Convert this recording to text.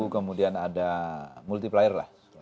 kemudian ada multiplier lah